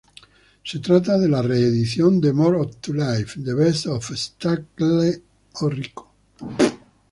Se trata de la re-edición de "More to Life: The Best of Stacie Orrico".